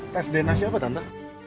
tes dna siapa tante